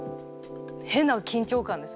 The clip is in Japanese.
変な緊張感ですね。